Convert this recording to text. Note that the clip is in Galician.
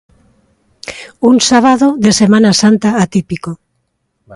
Un sábado de Semana Santa atípico.